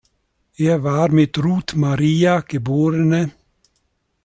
Er war mit Ruth Maria geb.